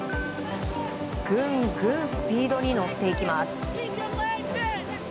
ぐんぐんスピードに乗っていきます。